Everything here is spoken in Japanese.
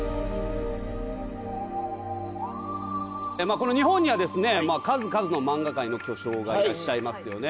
この日本にはですね数々の漫画界の巨匠がいらっしゃいますよね。